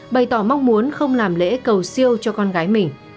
bày tỏ mong muốn không làm lễ cầu siêu cho con gái mình